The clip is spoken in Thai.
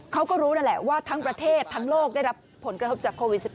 เขาก็รู้นั่นแหละว่าทั้งประเทศทั้งโลกได้รับผลกระทบจากโควิด๑๙